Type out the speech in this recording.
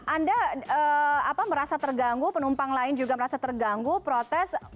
anda merasa terganggu penumpang lain juga merasa terganggu protes